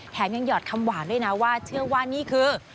แถมยังหอดคำหวานด้วยนะว่าเชื่อว่านี่คือ